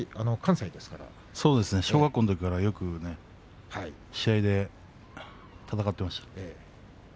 そうですね、小学校のときからよく試合で戦っていました。